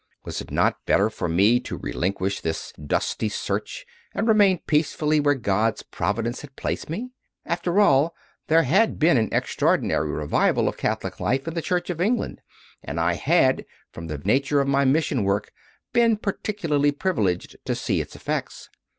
Was it not better for me to relinquish this dusty search and remain peacefully where God s Providence had placed me? After all, there had been an extraordinary revival of Catholic life in the Church of England and I had, from the nature of my mission work, been peculiarly privileged to see its effects.